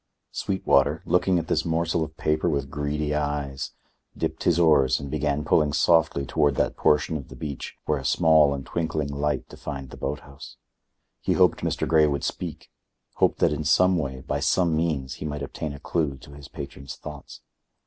Sweetwater; looking at this morsel of paper with greedy eyes, dipped his oars and began pulling softly toward that portion of the beach where a small and twinkling light defined the boat house. He hoped Mr. Grey would speak, hoped that in some way, by some means, he might obtain a clue to his patron's thoughts.